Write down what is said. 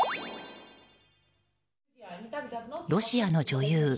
ロシアの女優